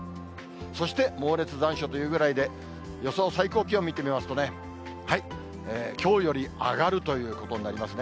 そしてモーレツ残暑というぐらいで、予想最高気温、見てみますとね、きょうより上がるということになりますね。